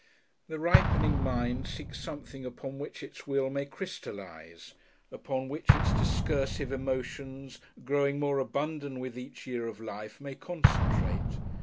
The ripening mind seeks something upon which its will may crystallise, upon which its discursive emotions, growing more abundant with each year of life, may concentrate.